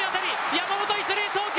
山本一塁送球！